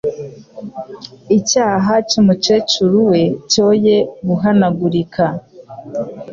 icyaha cy’umukecuru we cyoye guhanagurika